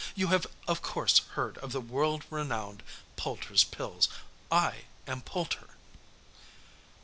You have of course heard of the world renowned Poulter's Pills. I am Poulter!"